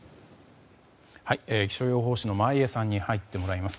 気象予報士の眞家さんに入ってもらいます。